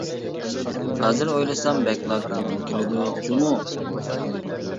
ھازىر ئويلىسام بەكلا كۈلگۈم كېلىدۇ جۇمۇ!